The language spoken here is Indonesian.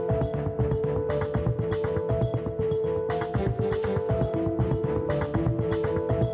aku gak akan pernah menyerah